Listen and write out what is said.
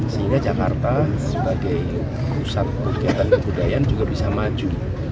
sehingga jakarta sebagai pusat kegiatan kebudayaan juga bisa maju